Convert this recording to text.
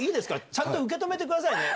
ちゃんと受け止めてくださいね！